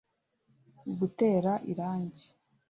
gutera irangi